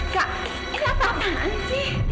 kak ini apaan sih